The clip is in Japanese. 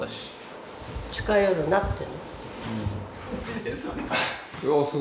「近寄るな」って。